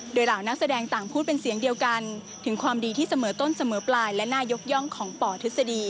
โดยเหล่านักแสดงต่างพูดเป็นเสียงเดียวกันถึงความดีที่เสมอต้นเสมอปลายและน่ายกย่องของปทฤษฎี